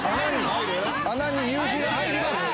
穴に夕日が入ります。